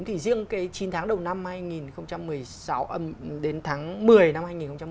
thì riêng chín tháng đầu năm hai nghìn một mươi sáu đến tháng một mươi năm hai nghìn một mươi tám